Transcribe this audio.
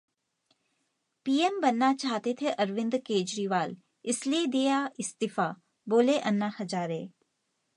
PM बनना चाहते थे अरविंद केजरीवाल इसलिए दिया इस्तीफा, बोले अन्ना हजारे